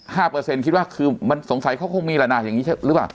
เปอร์เซ็นต์คิดว่าคือมันสงสัยเขาคงมีแหละนะอย่างงี้ใช่หรือเปล่า